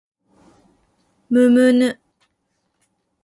むむぬ